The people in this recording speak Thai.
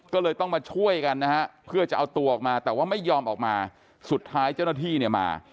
ก็เลยต้องมาช่วยกันนะฮะเพื่อจะเอาตัวออกมาแต่ว่าไม่ยอมออกมาสุดท้ายเจ้าหน้าที่เนี่ยมา